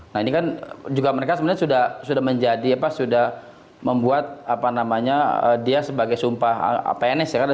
nah ini kan juga mereka sebenarnya sudah menjadi apa sudah membuat apa namanya dia sebagai sumpah pns ya kan